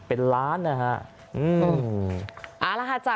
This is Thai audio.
เป็นล้านนะฮะ